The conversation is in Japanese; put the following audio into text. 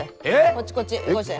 こっちこっちよこして。